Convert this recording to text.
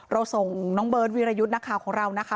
เราส่งน้องเบิร์ตวิรยุทธ์นักข่าวของเรานะคะ